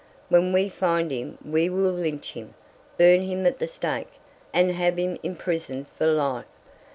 "When we find him we will lynch him, burn him at the stake, and have him imprisoned for life.